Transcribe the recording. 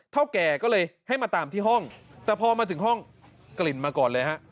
เท่าแก่ก็เลยให้มาตามที่ห้องแต่พอมาถึงห้องกลิ่นมาก่อนเลยฮะ